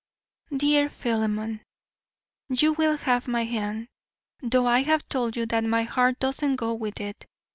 DEAR PHILEMON: You WILL have my hand though I have told you that my heart does not go with it.